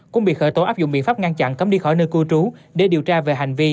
cũng bị khởi tố áp dụng biện pháp ngăn chặn cấm đi khỏi nơi cư trú để điều tra về hành vi